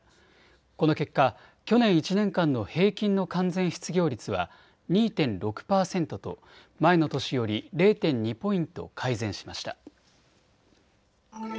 この結果、去年１年間の平均の完全失業率は２．６％と前の年より０．２ポイント改善しました。